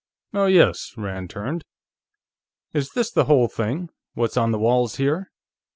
"Oh, yes." Rand turned. "Is this the whole thing? What's on the walls, here?"